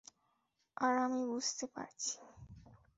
আর আমি বুঝতে পারছি!